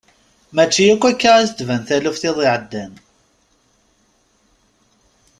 Mačči akka i as-d-tban taluft iḍ iɛeddan.